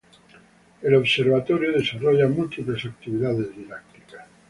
El observatorio desarrolla múltiples actividades didácticas.